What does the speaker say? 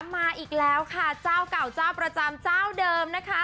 มาอีกแล้วค่ะเจ้าเก่าเจ้าประจำเจ้าเดิมนะคะ